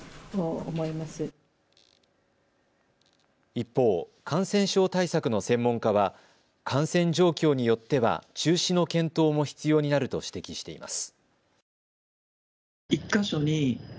一方、感染症対策の専門家は感染状況によっては中止の検討も必要になると指摘しています。